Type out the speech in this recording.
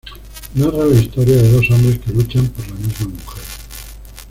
Narra la historia de dos hombres que luchan por la misma mujer.